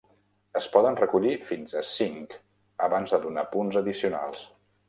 Es poden recollir fins a cinc abans de donar punts addicionals.